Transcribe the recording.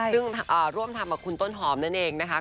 ซึ่งร่วมทำกับคุณต้นหอมนั่นเองนะคะ